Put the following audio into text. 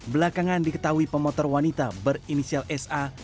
belakangan diketahui pemotor wanita berinisial sa